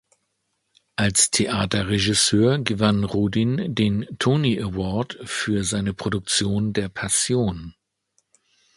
Als Theaterregisseur gewann Rudin den Tony Award für seine Produktion der Passion.